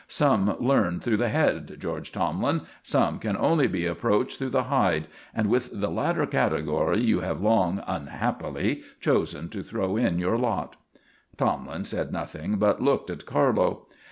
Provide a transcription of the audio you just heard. Some learn through the head, George Tomlin; some can only be approached through the hide; and with the latter category you have long, unhappily, chosen to throw in your lot." Tomlin said nothing, but looked at Carlo.